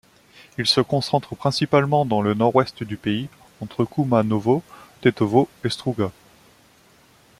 Ils se concentrent principalement dans le nord-ouest du pays, entre Koumanovo, Tetovo et Struga.